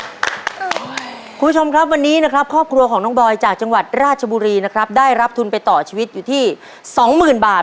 คุณผู้ชมครับวันนี้นะครับครอบครัวของน้องบอยจากจังหวัดราชบุรีนะครับได้รับทุนไปต่อชีวิตอยู่ที่สองหมื่นบาท